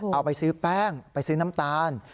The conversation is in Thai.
เอาไปซื้อแป้งไปซื้อน้ำตาล